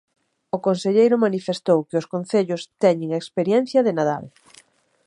O conselleiro manifestou que os concellos "teñen a experiencia" de Nadal.